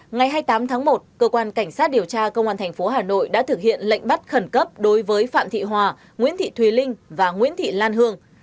ngày hai mươi tám tháng một cơ quan cảnh sát điều tra công an tp hà nội đã thực hiện lệnh bắt khẩn cấp đối với phạm thị hòa nguyễn thị thùy linh và nguyễn thị lan hương